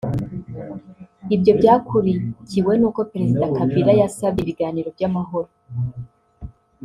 Ibyo byakurikiwe n’uko Perezida Kabila yasabye ibiganiro by’amahoro